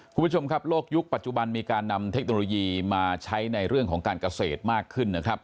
คุณผู้ชมครับโลกยุคปัจจุบันมีการนำเทคโนโลยีมาใช้ในเรื่องของการเกษตรมากขึ้นนะครับ